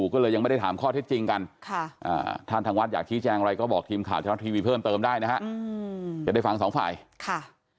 ก็ได้ฟังทางภายค่ะ